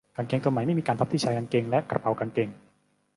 กางเกงตัวใหม่ไม่มีการพับที่ชายกางเกงและกระเป๋ากางเกง